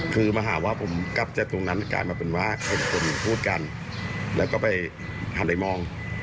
คือมาหาว่าผมกลับจากตรงนั้นกลายมาเป็นว่าคนพูดกันแล้วก็ไปหันไปมอง